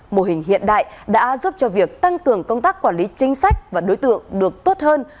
mô hình hiện đại đã giúp cho việc tăng cường công tác quản lý chính sách và đối tượng được tốt hơn